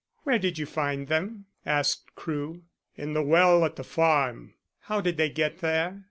"Where did you find them?" asked Crewe. "In the well at the farm." "How did they get there?"